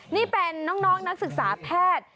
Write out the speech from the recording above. นี่เป็นน้องนักศึกษาแพทย์